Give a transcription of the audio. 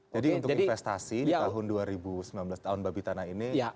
jadi untuk investasi di tahun dua ribu sembilan belas tahun babi tanah ini